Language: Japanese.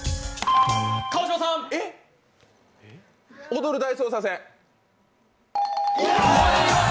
「踊る大捜査線」。